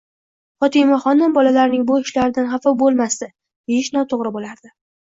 Fotimaxonim bolalarning bu ishlaridan xafa bo'lmasdi deyish noto'g'ri bo'lardi.